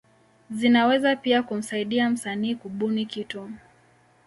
Zinaweza pia kumsaidia msanii kubuni kitu.